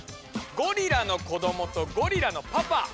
「ゴリラの子ども」と「ゴリラのパパ」。